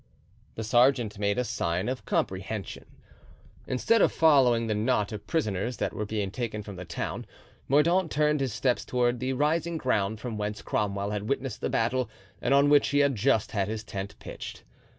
The sergeant made a sign of comprehension. Instead of following the knot of prisoners that were being taken into the town, Mordaunt turned his steps toward the rising ground from whence Cromwell had witnessed the battle and on which he had just had his tent pitched.